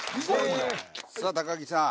さあ木さん。